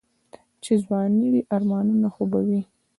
چې ځواني وي آرمانونه خو به وي.